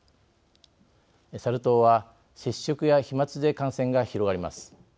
サル痘は接触や飛まつで感染が広がります。